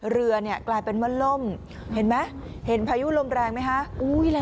เรือเนี่ยกลายเป็นว่าล่มเห็นไหมเห็นพายุลมแรงไหมคะ